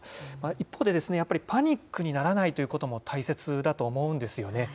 一方で、やっぱりパニックにならないということも大切だと思うんですよね。